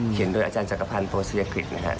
เขียนโดยอาจารย์จักรพันธ์โปรดศัลยกฤทธิ์นะครับ